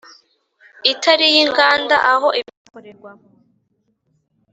itari iy inganda aho ibihakorerwa